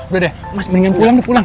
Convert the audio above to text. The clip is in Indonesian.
udah deh mas mendingan pulang udah pulang